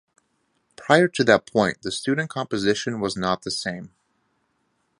Prior to that point the student composition was not the same.